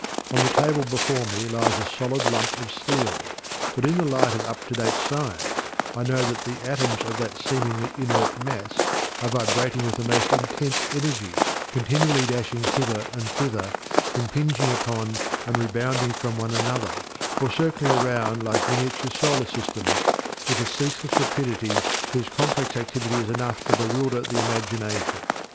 On the table before me lies a solid lump of steel, but in the light of up to date science I know that the atoms of that seemingly inert mass are vibrating with the most intense energy, continually dashing hither and thither, impinging upon and rebounding from one another, or circling round like miniature solar systems, with a ceaseless rapidity whose complex activity is enough to bewilder the imagination.